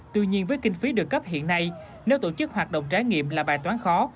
tuy nhiên với kinh phí được cấp hiện nay nếu tổ chức hoạt động trải nghiệm là bài toán khó